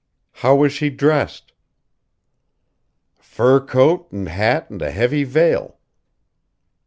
"How was she dressed?" "Fur coat and hat and a heavy veil."